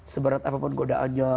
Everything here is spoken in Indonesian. seberat apapun godaannya